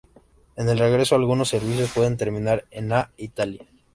En el regreso algunos servicios pueden terminar en A. Italia.